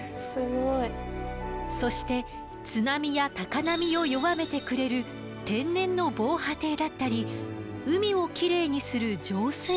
そして津波や高波を弱めてくれる天然の防波堤だったり海をきれいにする浄水器だったり。